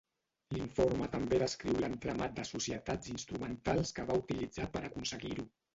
L'informe també descriu l'entramat de societats instrumentals que va utilitzar per aconseguir-ho.